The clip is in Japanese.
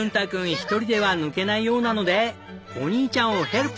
一人では抜けないようなのでお兄ちゃんをヘルプ！